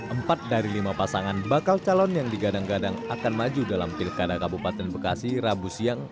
empat dari lima pasangan bakal calon yang digadang gadang akan maju dalam pilkada kabupaten bekasi rabu siang